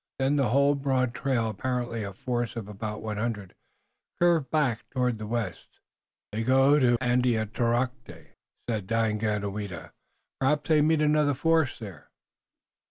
Then the whole broad trail, apparently a force of about one hundred, curved back toward the west. "They go to Andiatarocte," said Daganoweda. "Perhaps they meet another force there."